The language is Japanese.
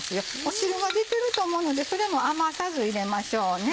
汁が出てると思うのでそれも余さず入れましょうね。